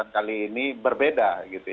kali ini berbeda